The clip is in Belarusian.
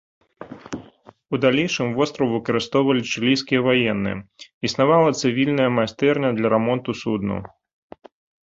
У далейшым востраў выкарыстоўвалі чылійскія ваенныя, існавала цывільная майстэрня для рамонту суднаў.